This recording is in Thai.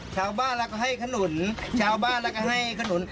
ชาวบ้าลักษณ์ให้ขนุนชาวบ้าลักษณ์ให้ขนุน